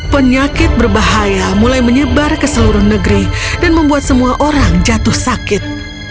penyakit berbahaya mulai menyebar ke seluruh negeri dan membuat semua orang jatuh sakit